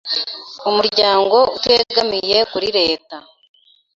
umuryango utegamiye kuri leta